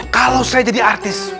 kalau saya jadi artis